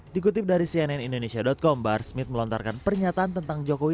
dikutip dari cnn indonesia com bahar smith melontarkan pernyataan tentang jokowi